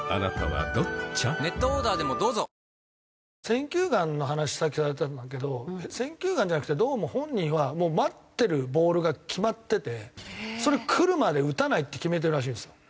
選球眼の話さっきされてたんだけど選球眼じゃなくてどうも本人は待ってるボールが決まっててそれがくるまで打たないって決めてるらしいんですよ。